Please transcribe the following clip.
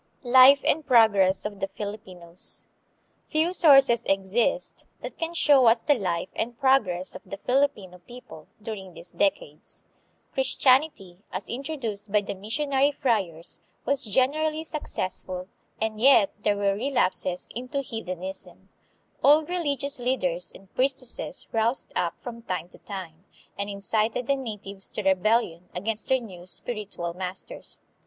Life and Progress of the Filipinos. Few sources exist that can show us the life and progress of the Filipino people during these decades. Christianity, as introduced by the missionary friars, was generally successful, and yet there were relapses in.to heathenism. Old religious leaders and priestesses roused up from time to time, and incited the natives to rebellion against their new spiritual masters.